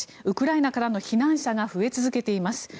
ウクライナからの避難者が増え続けています。